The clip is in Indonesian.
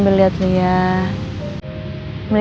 gede luar nih seluruh ini